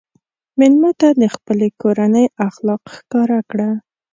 مېلمه ته د خپلې کورنۍ اخلاق ښکاره کړه.